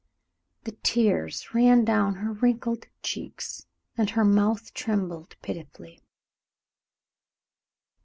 The tears ran down her wrinkled cheeks, and her mouth trembled pitifully.